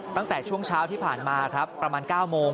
ตั้งแต่ช่วงเช้าที่ผ่านมาครับประมาณ๙โมง